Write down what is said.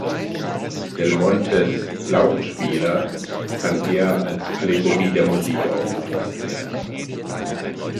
Del Montes "Lautenspieler" kann eher als Allegorie der Musik aufgefasst werden.